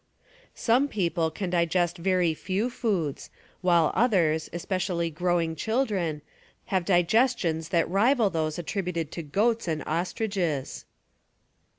Some people can digest very few foods, while others, especially growing children, have digestions that rival those attributed to goats and ostriches.